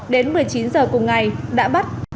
đến một mươi chín giờ cùng ngày đã bắt